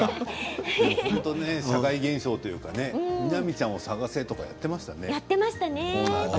本当に社会現象というか南ちゃんを探せとかやっていましたよね。